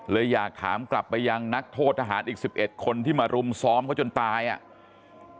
อยากถามกลับไปยังนักโทษทหารอีก๑๑คนที่มารุมซ้อมเขาจนตายอ่ะ